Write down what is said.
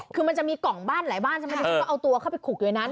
คือมันจะมีกล่องบ้านหลายบ้านจะพาเอาตัวเข้าไปขุกในหน้า